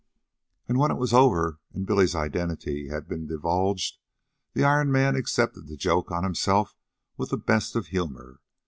And when it was over and Billy's identity had been divulged, the Iron Man accepted the joke on himself with the best of humor.